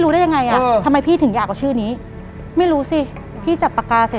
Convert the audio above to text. หลังจากนั้นเราไม่ได้คุยกันนะคะเดินเข้าบ้านอืม